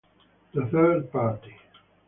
The Third Party